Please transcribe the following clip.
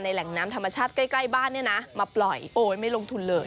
แหล่งน้ำธรรมชาติใกล้บ้านเนี่ยนะมาปล่อยโอ๊ยไม่ลงทุนเลย